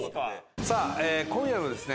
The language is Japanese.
さあ今夜のですね